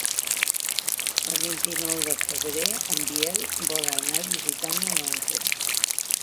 El vint-i-nou de febrer en Biel vol anar a visitar mon oncle.